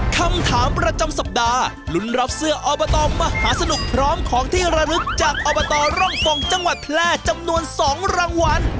คำถามประจำสัปดาห์ลุ้นรับเสื้ออบตมหาสนุกพร้อมของที่ระลึกจากอบตร่องกงจังหวัดแพร่จำนวน๒รางวัล